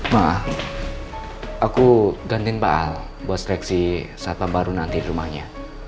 mak aku gantiin mbak al buat seleksi satpam baru nanti di rumahnya